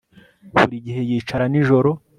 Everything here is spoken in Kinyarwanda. Buri gihe yicara nijoro